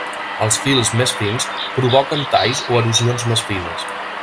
Els fils més fins provoquen talls o erosions més fines.